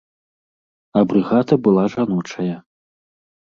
А брыгада была жаночая.